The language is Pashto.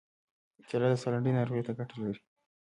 کېله د ساه لنډۍ ناروغۍ ته ګټه لري.